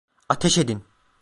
Ateş edin!